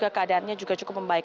keadaannya juga cukup membaik